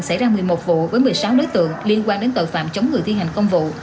xảy ra một mươi một vụ với một mươi sáu đối tượng liên quan đến tội phạm chống người thi hành công vụ